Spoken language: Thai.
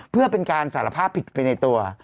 เพื่อเป็นการสารภาพผิดไปในตัว